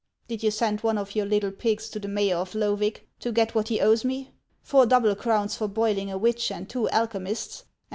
Did you send one of your little pigs to the mayor of Loevig to get what he owes me, — four double crowns for boiling a witch and two alchemists, and 148 HANS OF ICELAND.